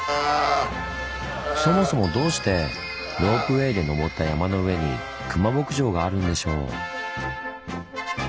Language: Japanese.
そもそもどうしてロープウエーで登った山の上にクマ牧場があるんでしょう？